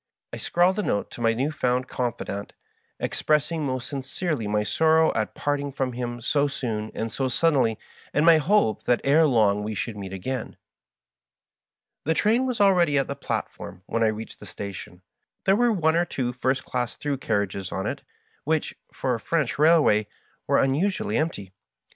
I scrawled a note to my new found confidant, expressing most sincerely my sorrow at parting from him so soon and so suddenly, and my hope that ere long we should meet again. in. The train was already at the platform when I reached the station. There were one or two first class through carriages on it, which, for a French railway, were un usually empty.